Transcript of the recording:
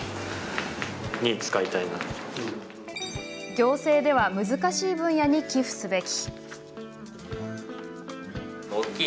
行政では難しい分野に寄付すべき。